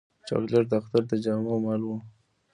چاکلېټ د اختر د جامو مل وي.